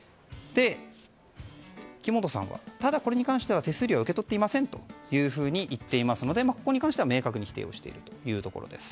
木本さんは、これに関しては手数料は受け取っていませんと言っていますのでここに関しては明確に否定をしているということです。